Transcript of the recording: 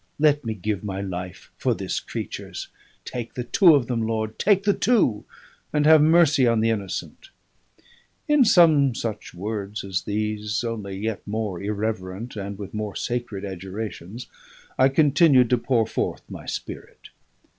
Let me give my life for this creature's; take the two of them, Lord! take the two, and have mercy on the innocent!" In some such words as these, only yet more irreverent and with more sacred adjurations, I continued to pour forth my spirit.